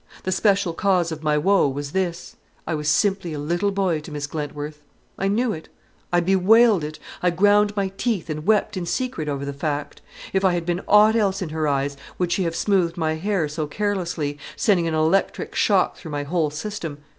The special cause of my woe was this: I was simply a little boy to Miss Glentworth. I knew it. I bewailed it. I ground my teeth and wept in secret over the fact. If I had been aught else in her eyes would she have smoothed my hair so carelessly, sending an electric shock through my whole system?